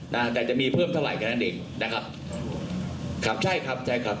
นะแต่จะมีเพิ่มเท่าไหร่แค่นั้นเองนะครับครับใช่ครับใช่ครับ